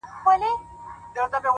مُريد ښه دی ملگرو او که پير ښه دی!!